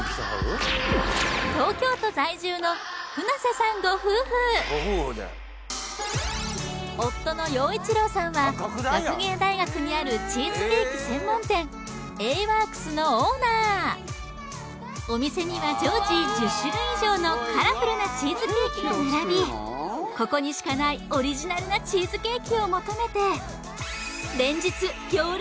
東京都在住の船瀬さんご夫婦夫の洋一郎さんは学芸大学にあるチーズケーキ専門店ＡＷＯＲＫＳのオーナーお店には常時１０種類以上のカラフルなチーズケーキが並びここにしかないオリジナルなチーズケーキを求めて